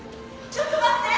ちょっと待って！